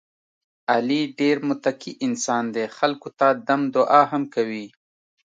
علي ډېر متقی انسان دی، خلکو ته دم دعا هم کوي.